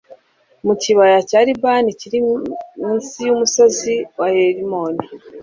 mu kibaya cya libani kiri mu nsi y'umusozi wa herimoni